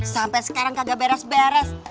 sampai sekarang kagak beres beres